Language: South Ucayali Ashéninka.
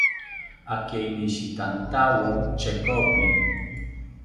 Akeinishitantawo chekopi